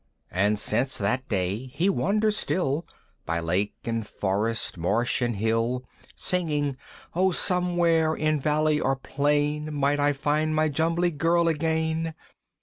And since that day he wanders still By lake and forest, marsh and hill, Singing "O somewhere, in valley or plain "Might I find my Jumbly Girl again!